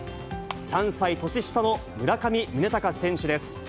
３歳年下の村上宗隆選手です。